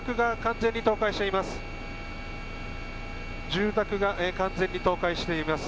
住宅が完全に倒壊しています。